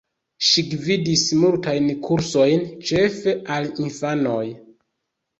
Ŝi gvidis multajn kursojn, ĉefe al infanoj.